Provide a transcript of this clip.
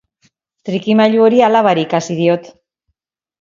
Trikimailu hori alabari ikasi diot.